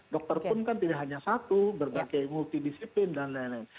dokter pun kan tidak hanya satu berbagai multidisiplin dan lain lain